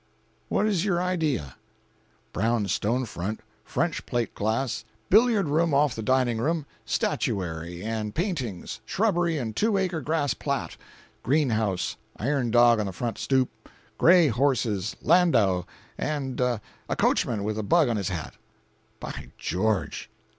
What is your idea?" "Brown stone front—French plate glass—billiard room off the dining room—statuary and paintings—shrubbery and two acre grass plat—greenhouse—iron dog on the front stoop—gray horses—landau, and a coachman with a bug on his hat!" "By George!"